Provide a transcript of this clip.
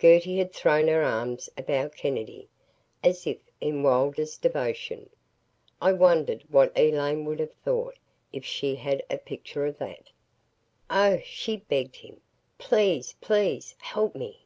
Gertie had thrown her arms about Kennedy, as if in wildest devotion. I wondered what Elaine would have thought, if she had a picture of that! "Oh," she begged him, "please please, help me!"